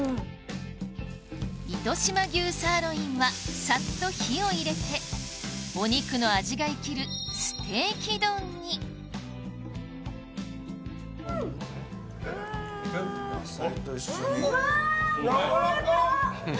糸島牛サーロインはサッと火を入れてお肉の味が生きるステーキ丼にねっ！